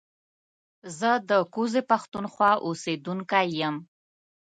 زه د کوزې پښتونخوا اوسېدونکی يم